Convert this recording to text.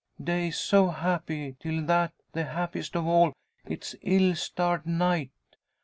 Days so happy, till that the happiest of all its ill starred night!